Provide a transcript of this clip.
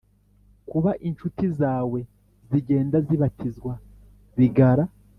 Kuba incuti zawe zigenda zibatizwa bigara